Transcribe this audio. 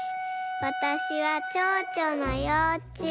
わたしはチョウチョのようちゅう。